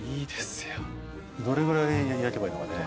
どれぐらい焼けばいいのかね。